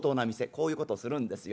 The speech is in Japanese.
こういうことするんですよ。